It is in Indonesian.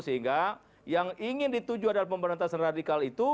sehingga yang ingin dituju adalah pemberantasan radikal itu